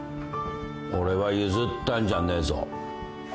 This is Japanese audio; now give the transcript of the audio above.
俺は譲ったんじゃねえぞ。